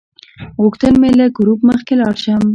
غوښتل مې له ګروپ مخکې لاړ شم.